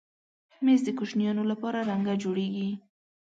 مېز د کوچنیانو لپاره رنګه جوړېږي.